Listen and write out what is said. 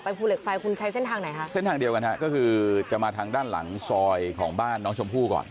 ภูเหล็กไฟคุณใช้เส้นทางไหนฮะเส้นทางเดียวกันฮะก็คือจะมาทางด้านหลังซอยของบ้านน้องชมพู่ก่อน